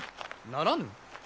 ならぬ？